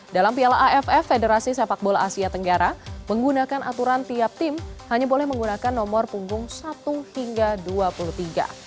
dalam piala aff federasi sepak bola asia tenggara menggunakan aturan tiap tim hanya boleh menggunakan nomor punggung satu hingga dua puluh tiga